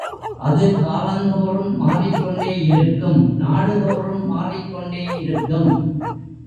அது காலந்தோறும் மாறிக் கொண்டே இருக்கும் நாடுதோறும் மாறிக் கொண்டே இருக்கும்.